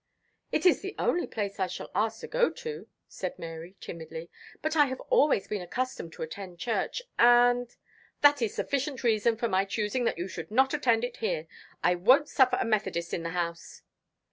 "It is the only place I shall ask to go to," said Mary timidly; "but I have always been accustomed to attend church, and " "That is a sufficient reason for my choosing that you should not attend it here. I won't suffer a Methodist in the house."